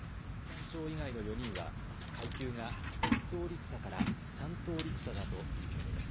陸将の坂本師団長以外の４人は、階級が１等陸佐から３等陸佐だということです。